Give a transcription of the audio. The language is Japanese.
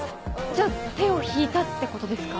じゃあ手を引いたってことですか？